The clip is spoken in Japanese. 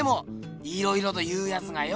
いろいろと言うやつがよ。